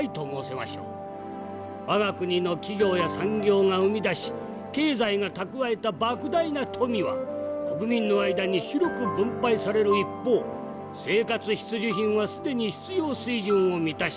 我が国の企業や産業が生み出し経済が蓄えたばく大な富は国民の間に広く分配される一方生活必需品は既に必要水準を満たし